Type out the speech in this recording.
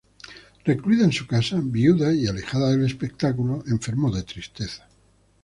Recluida en su casa, viuda y alejada del espectáculo, enfermó de tristeza.